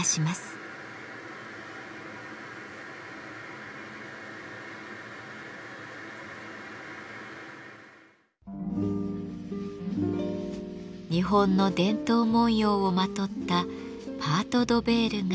日本の伝統文様をまとったパート・ド・ヴェールが完成しました。